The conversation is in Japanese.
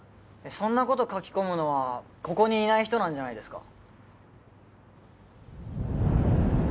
そんな事書き込むのはここにいない人なんじゃないですか？